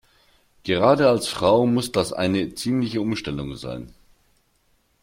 Gerade als Frau muss das eine ziemliche Umstellung sein.